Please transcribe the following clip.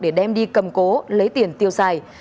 để đem đi cầm cố lấy tiền tiêu xài